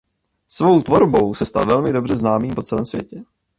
Svou tvorbou se stal velmi dobře známým po celém světě.